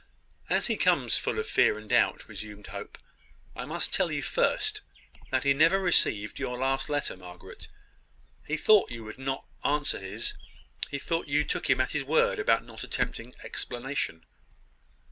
"As he comes full of fear and doubt," resumed Hope, "I must tell you first that he never received your last letter, Margaret. He thought you would not answer his. He thought you took him at his word about not attempting explanation."